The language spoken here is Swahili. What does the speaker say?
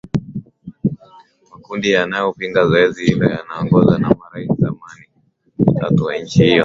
makundi yanayopinga zoezi hilo yanayoongozwa na marais wa zamani watatu wa nchi hiyo